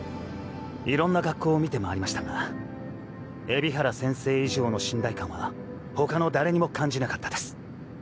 色んな学校を見て回りましたが海老原先生以上の信頼感は他の誰にも感じなかったです。